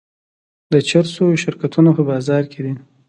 د چرسو شرکتونه په بازار کې دي.